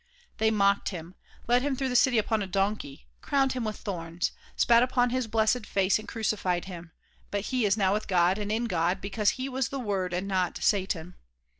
They mocked him, led him through the city upon a donkey, crowned him with thorns, spat upon his blessed face and crucified him, but he is now with God and in God because he was the Word and not satan.